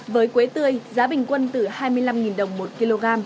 với quế tươi giá bình quân từ hai mươi năm đồng một kg